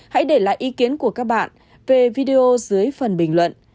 hãy để lại ý kiến của các bạn về video dưới phần bình luận